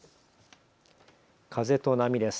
風と波です。